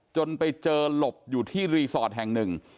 จนไปเจอหลบอยู่ที่รีสอร์ทแห่งหนึ่ง